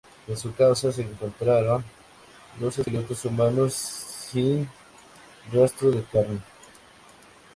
En su casa se encontraron dos esqueletos humanos, sin rastro de carne.